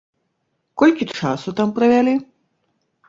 Колькі часу там правялі?